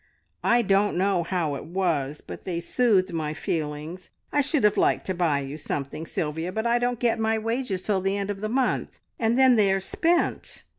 I don't know how it was, but they soothed my feelings! I should have liked to buy you something, Sylvia, but I don't get my wages till the end of the month, and then they are spent.